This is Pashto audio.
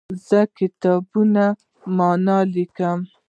زه د کتاب معنی لیکم.